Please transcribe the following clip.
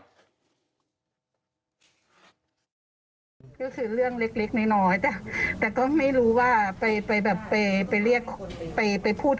ก็คือเรื่องเล็กน้อยแต่ก็ไม่รู้ว่าไปแบบไปเรียกไปพูด